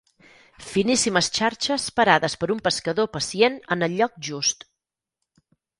Finíssimes xarxes parades per un pescador pacient en el lloc just.